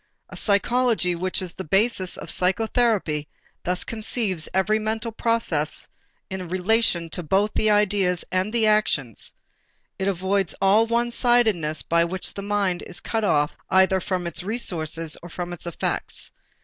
A psychology which is the basis of psychotherapy thus conceives every mental process in relation to both the ideas and the actions; it avoids all one sidedness by which the mind is cut off either from its resources or from its effects.